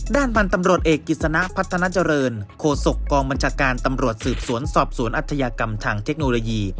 ด้านพันธ์ตำรวจเอกกิจสนะพัฒนาเจริญโคศกกองบัญชาการตำรวจสืบสวนสอบสวนอัธยากรรมทางเทคโนโลยี